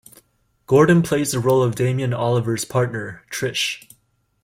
Gordon plays the role of Damien Oliver's partner, Trish.